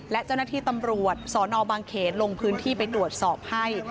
และเจ้าหน้าที่ตำรวจสนบางเขนลงพื้นที่ไปตรวจสอบให้